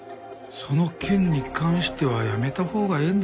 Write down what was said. その件に関してはやめたほうがええんではないかと。